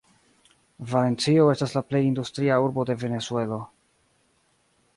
Valencio estas la plej industria urbo de Venezuelo.